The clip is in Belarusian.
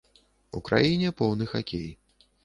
У краіне поўны хакей.